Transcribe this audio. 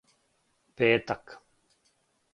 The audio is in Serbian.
петак